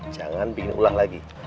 jangan bikin ulah lagi